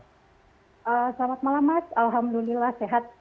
selamat malam mas alhamdulillah sehat